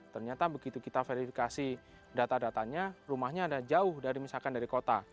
ternyata begitu kita verifikasi data datanya rumahnya ada jauh dari misalkan dari kota